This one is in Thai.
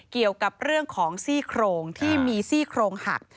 เกี่ยวกับเรื่องของซี่โครงที่มีซี่โครงหัก